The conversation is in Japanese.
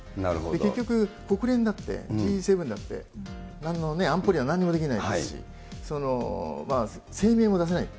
結局、国連だって、Ｇ７だって、なんの、安保理もなんにもできないですし、声明も出せない。